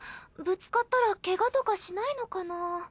ぶつかったらケガとかしないのかなぁ？